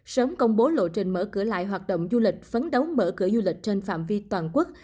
sớm công bố lộ trình mở cửa lại hoạt động du lịch phấn đấu mở cửa du lịch trên phạm vi toàn quốc